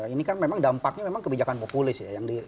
ini kan memang dampaknya memang kebijakan populis ya